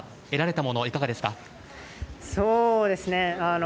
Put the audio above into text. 得られたものはいかがですか。